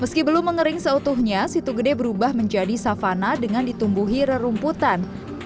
meski belum mengering seutuhnya situ gede berubah menjadi savana dengan ditumbuhi rerumputan